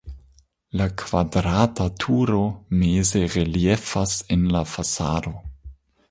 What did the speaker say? La kvadrata turo meze reliefas en la fasado.